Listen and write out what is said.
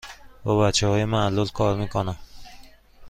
با بچه های معلول کار می کنم.